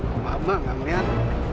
gak apa apa gak melihat